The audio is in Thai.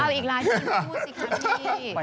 เอาอีกราชีพูดสิคะพี่